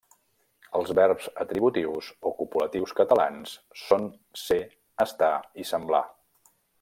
Els verbs atributius o copulatius catalans són ser, estar i semblar.